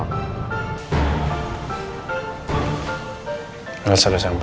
bayasa sudah sampe